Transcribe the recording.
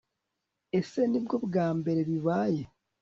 Ese Nibwo bwambere bibaye